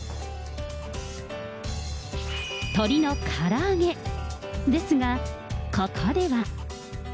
鶏のから揚げですが、ここでは。